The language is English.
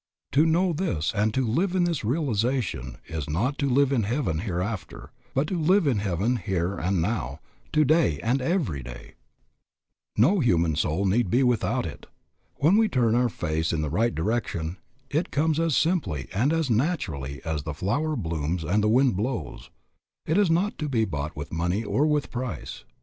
To know this and to live in this realization is not to live in heaven hereafter, but to live in heaven here and now, today and every day. No human soul need be without it. When we turn our face in the right direction it comes as simply and as naturally as the flower blooms and the winds blow. It is not to be bought with money or with price.